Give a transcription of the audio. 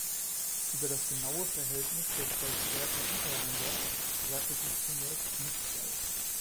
Über das genaue Verhältnis der zwei Schwerter untereinander sagte sie zunächst nichts aus.